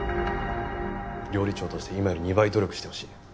料理長として今より２倍努力してほしい。